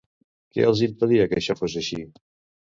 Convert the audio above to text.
Què els impedia que això fos així?